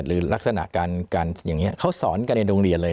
หรือลักษณะการอย่างนี้เขาสอนกันในโรงเรียนเลย